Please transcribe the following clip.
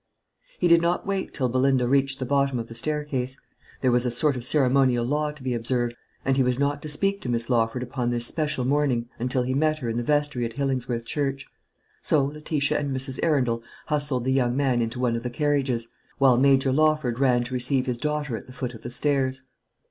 He did not wait till Belinda reached the bottom of the staircase. There was a sort of ceremonial law to be observed, and he was not to speak to Miss Lawford upon this special morning until he met her in the vestry at Hillingsworth church; so Letitia and Mrs. Arundel hustled the young man into one of the carriages, while Major Lawford ran to receive his daughter at the foot of the stairs.